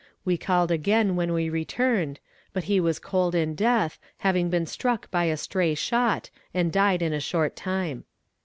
We called again when we returned, but he was cold in death, having been struck by a stray shot, and died in a short time.